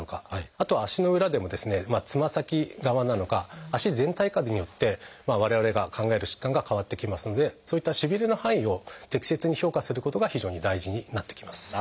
あとは足の裏でもつま先側なのか足全体かによって我々が考える疾患が変わってきますのでそういったしびれの範囲を適切に評価することが非常に大事になってきます。